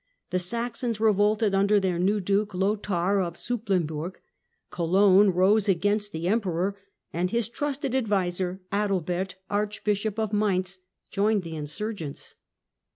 The Saxons revolted under their new duke, Lothair of Supplinburg, Cologne rose against the Emperor, and his trusted adviser, Adalbert Archbishop of Mainz, joined the insurgents.